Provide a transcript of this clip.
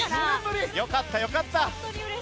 よかった、よかった。